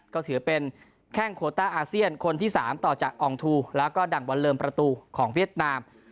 ก็ถือเป็นแข้งโคต้าอาเซียนคนที่๓ต่อจากอองทูแล้วก็ดั่งบอลเลิมประตูของเวียดนาม